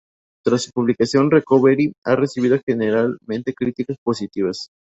Tras su publicación, "Recovery" ha recibido generalmente críticas positivas.